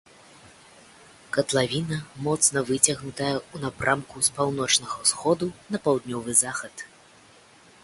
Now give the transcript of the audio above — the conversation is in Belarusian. Катлавіна моцна выцягнутая ў напрамку з паўночнага ўсходу на паўднёвы захад.